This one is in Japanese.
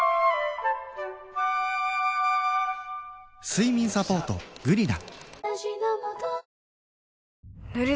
睡眠サポート「グリナ」